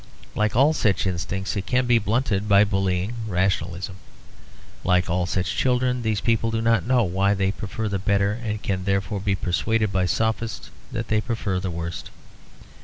Like all such instincts, it can be blunted by a bullying rationalism; like all such children, these people do not know why they prefer the better, and can therefore be persuaded by sophists that they prefer the worst.